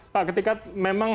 pak ketika memang